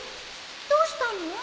どうしたの？